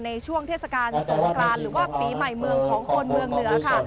ในช่วงเทศกาลสงกรานหรือว่าปีใหม่เมืองของคนเมืองเหนือค่ะ